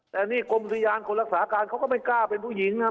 แต่นี่กรมอุทยานคนรักษาการเขาก็ไม่กล้าเป็นผู้หญิงนะ